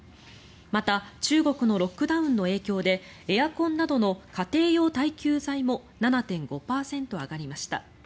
また中国のロックダウンの影響でエアコンなどの家庭用耐久財も７．５％上がりました。